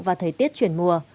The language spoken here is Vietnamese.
và thời tiết chuyển mùa